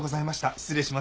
失礼します。